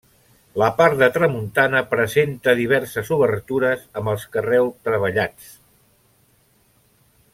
La part de tramuntana presenta diverses obertures amb els carreus treballats.